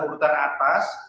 di urutan urutan atas